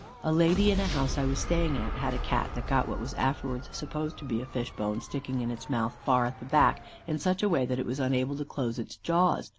A lady in a house I was staying at, had a Cat that got what was afterwards supposed to be a fish bone sticking in its mouth, far at the back, in such a way that it was unable to close its jaws.